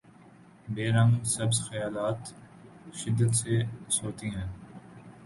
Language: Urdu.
بی رنگ سبز خیالات شدت سے سوتی ہیں